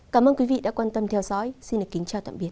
cảm ơn quý vị đã quan tâm theo dõi xin kính chào tạm biệt